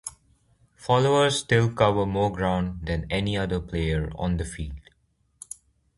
Followers still cover more ground than any other player on the field.